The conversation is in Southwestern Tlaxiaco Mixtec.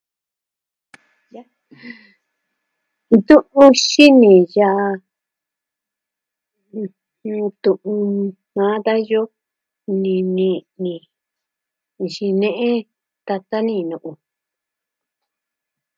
Ntu'u xini yaa. N... Nuu tu'u maa dayo, nini ni. Nxine'e tata ni nu'u.